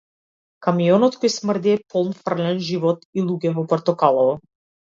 Камионот кој смрди е полн фрлен живот и луѓе во портокалово.